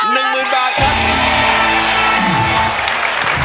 ๑หมื่นบาทครับ